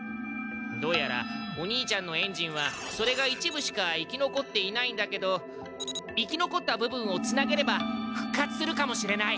どうやらお兄ちゃんのエンジンはそれが一部しか生き残っていないんだけど生き残った部分をつなげれば復活するかもしれない。